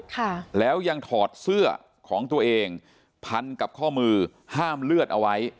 ค่ะแล้วยังถอดเสื้อของตัวเองพันกับข้อมือห้ามเลือดเอาไว้